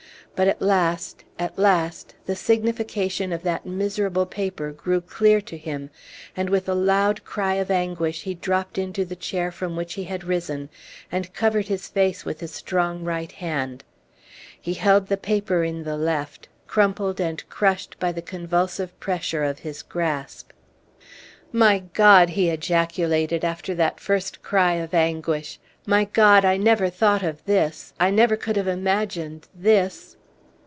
But at last, at last, the signification of that miserable paper grew clear to him, and with a loud cry of anguish he dropped into the chair from which he had risen, and covered his face with his strong right hand. He held the paper in the left, crumpled and crushed by the convulsive pressure of his grasp. "My God!" he ejaculated, after that first cry of anguish, "my God! I never thought of this I never could have imagined this."